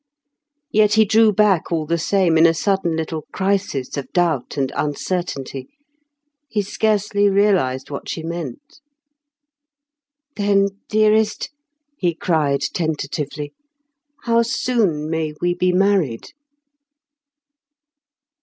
Yet he drew back all the same in a sudden little crisis of doubt and uncertainty. He scarcely realised what she meant. "Then, dearest," he cried tentatively, "how soon may we be married?"